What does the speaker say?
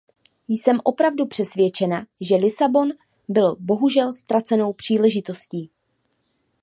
Jsem opravdu přesvědčena, že Lisabon byl bohužel ztracenou příležitostí.